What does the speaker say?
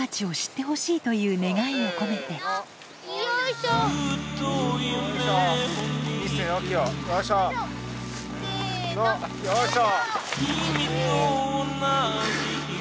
よいしょ！